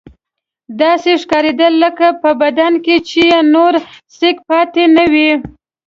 داسې ښکارېدل لکه په بدن کې چې یې نور سېک پاتې نه وي.